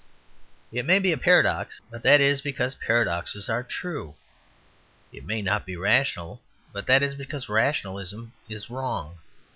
It may be a paradox, but that is because paradoxes are true. It may not be rational, but that is because rationalism is wrong.